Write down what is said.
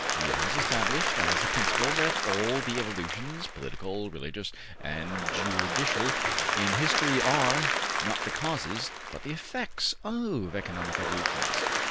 He has established as a principle that all the evolutions, political, religious, and juridical, in history are, not the causes, but the effects of economic evolutions.